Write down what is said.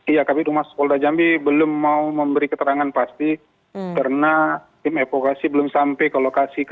iya kabupaten rumah sepoloda jambi belum mau memberi keterangan pasti karena tim epokasi belum sampai ke titik lokasi rupanya